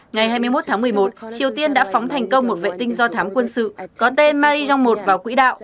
ngày hai mươi một tháng một mươi một triều tiên đã phóng thành công một vệ tinh do thám quân sự có tên mali trong một vào quỹ đạo